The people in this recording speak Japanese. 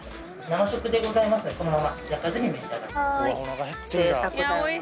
生食でございますのでこのまま焼かずに召し上がってください。